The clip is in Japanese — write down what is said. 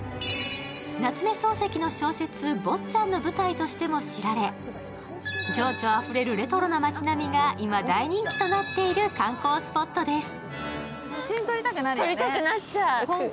夏目漱石の小説「坊ちゃん」の舞台としても知られ、情緒あふれるレトロな街並みが今大人気となっている観光スポットです。